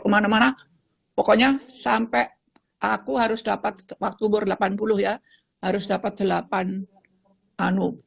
teman teman pokoknya sampai aku harus dapat ke waktu berlapan puluh ya harus dapat delapan anu